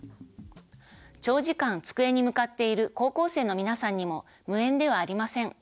長時間机に向かっている高校生の皆さんにも無縁ではありません。